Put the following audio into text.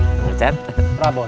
bapak bapak prabut